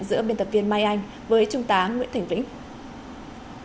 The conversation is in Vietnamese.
giữa biên tập viên mai anh với trung tá nguyễn thành vĩnh